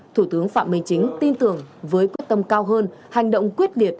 thủ tướng phạm minh chính tin tưởng với quyết tâm cao hơn hành động quyết liệt